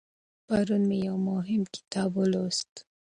پرون مې یو مهم کتاب ولوست.